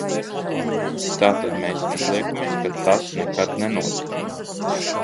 Tātad mēs izliekamies, ka tas nekad nenotika?